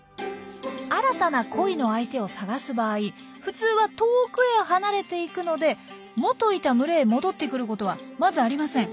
新たな恋の相手を探す場合普通は遠くへ離れていくので元いた群れへ戻ってくることはまずありません。